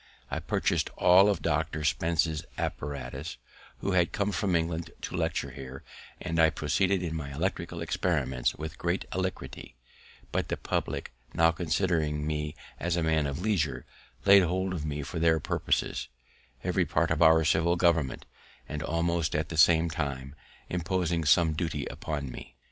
I purchased all Dr. Spence's apparatus, who had come from England to lecture here, and I proceeded in my electrical experiments with great alacrity; but the publick, now considering me as a man of leisure, laid hold of me for their purposes, every part of our civil government, and almost at the same time, imposing some duty upon me.